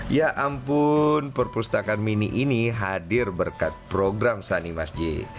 ya ampun perpustakaan mini ini hadir berkat program sani masjid